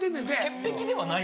潔癖ではない。